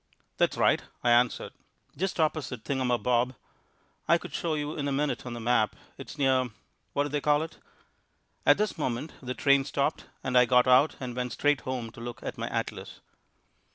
"That's right," I answered, "just opposite Thingumabob. I could show you in a minute on the map. It's near what do they call it?" At this moment the train stopped, and I got out and went straight home to look at my atlas.